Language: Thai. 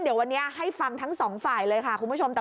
เดี๋ยววันนี้ให้ฟังทั้งสองฝ่ายเลยค่ะคุณผู้ชม